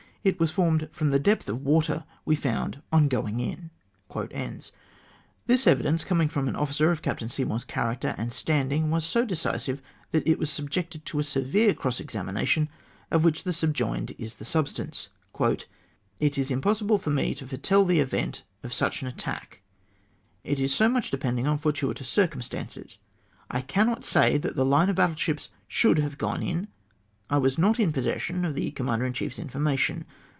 — "It was formed from the depth of water ive found ON GOINa IN." Tliis evidence, coming from an officer of Captain Seymour's character and standing, was so decisive, tliat it was subjected to a severe cross examination, of which the subjoined is the substance :—" It is impossible for me to foretell the event of such an attack, it so much depending on fortuitous circumstances. I cannot say that the line of battle ships should have gone in; I was not in possession of the Commander in chiefs infor mation.